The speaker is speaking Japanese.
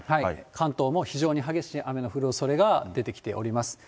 関東も非常に激しい雨の降るおそれが出てきております。